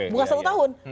bukan satu tahun